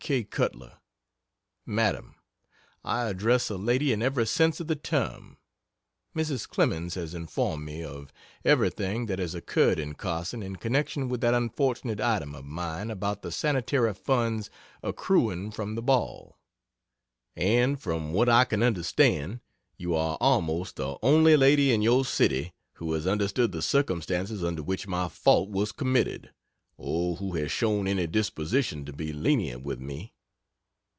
K. CUTLER: MADAM, I address a lady in every sense of the term. Mrs. Clemens has informed me of everything that has occurred in Carson in connection with that unfortunate item of mine about the Sanitary Funds accruing from the ball, and from what I can understand, you are almost the only lady in your city who has understood the circumstances under which my fault was committed, or who has shown any disposition to be lenient with me.